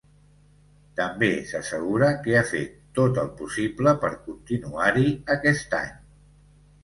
També s’assegura que ha fet ‘tot el possible’ per continuar-hi aquest any.